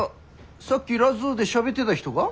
さっきラジオでしゃべってだ人が？